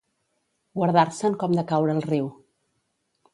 Guardar-se'n com de caure al riu.